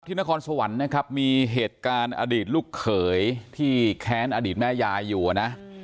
นครสวรรค์นะครับมีเหตุการณ์อดีตลูกเขยที่แค้นอดีตแม่ยายอยู่นะ